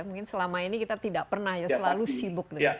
mungkin selama ini kita tidak pernah ya selalu sibuk dengan